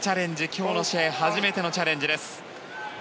今日の試合初めてのチャレンジです。